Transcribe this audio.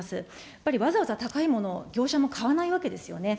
やっぱりわざわざ高いものを、業者も買わないわけですよね。